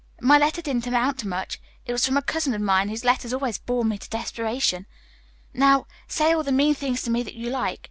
My letter didn't amount to much. It was from a cousin of mine, whose letters always bore me to desperation. Now, say all the mean things to me that you like.